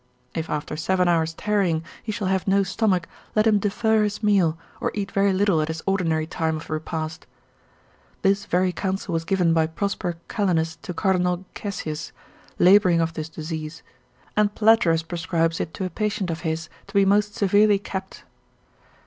If after seven hours' tarrying he shall have no stomach, let him defer his meal, or eat very little at his ordinary time of repast. This very counsel was given by Prosper Calenus to Cardinal Caesius, labouring of this disease; and Platerus prescribes it to a patient of his, to be most severely kept.